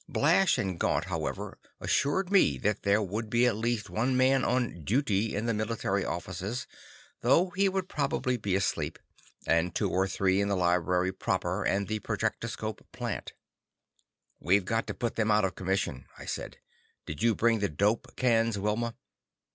Blash and Gaunt, however, assured me that there would be at least one man on "duty" in the military offices, though he would probably be asleep, and two or three in the library proper and the projectoscope plant. "We've got to put them out of commission," I said. "Did you bring the 'dope' cans, Wilma?"